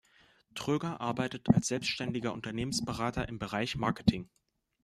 Tröger arbeitet als selbstständiger Unternehmensberater im Bereich Marketing.